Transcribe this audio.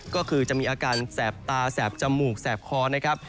ก็คือจะมีอาการแสบตาแสบจมูกแสบคอนะครับ